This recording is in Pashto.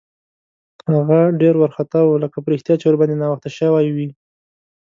هغه ډېر وارخطا و، لکه په رښتیا چې ورباندې ناوخته شوی وي.